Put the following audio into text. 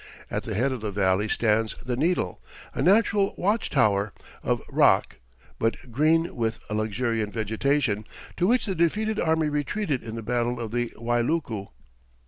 At the head of the valley stands the Needle, a natural watch tower of rock, but green with a luxuriant vegetation to which the defeated army retreated in the battle of the Wailuku.